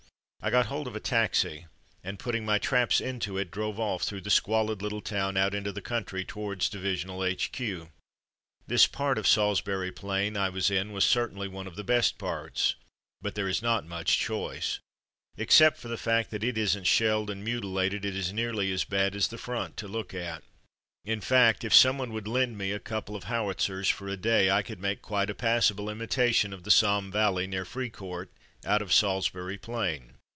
I got hold of a taxi and, putting my traps into it, drove off through the squalid little town out into the country towards divisional H.Q. This part of Salisbury Plain I was in was certainly one of the best parts, but there is not much choice. Except for the fact that it isn't shelled and mutilated, it is nearly Arrival at Divisional H.Q. 41 as bad as the front to look at. In fact, if someone would lend me a couple of howitzers for a day, I could make quite a passable imitation of the Somme valley near Fricourt, out of Salisbury Plain.